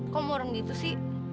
kok murni itu sih